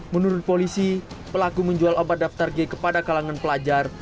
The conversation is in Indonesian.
menurut polisi pelaku menjual obat daftar g kepada kalangan pelajar